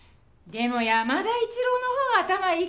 でも山田一郎のほうが頭いいか。